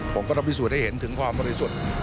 ผมก็ต้องพิสูจน์ให้เห็นถึงความบริสุทธิ์